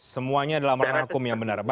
semuanya dalam renang hukum yang benar